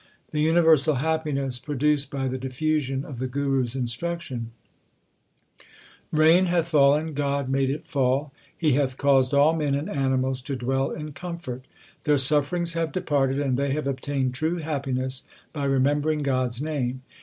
The universal happiness produced by the diffusion of the Guru s instruction : Rain hath fallen ; God made it fall : He hath caused all men and animals to dwell in comfort : Their sufferings have departed, and they have obtained true happiness by remembering God s name.